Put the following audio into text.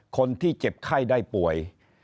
คนที่เจ็บไข้ได้ป่วย